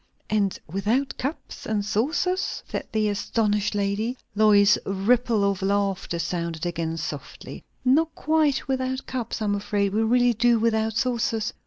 "And without cups and saucers?" said the astonished lady. Lois's "ripple of laughter" sounded again softly. "Not quite without cups; I am afraid we really do without saucers.